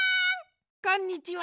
こんにちは！